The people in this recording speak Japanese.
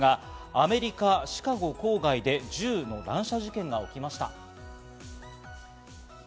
アメリカ・シカゴ郊外で銃の乱射事件が起きました。